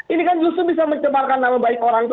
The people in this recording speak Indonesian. ini kan justru bisa mencemarkan nama baik orang itu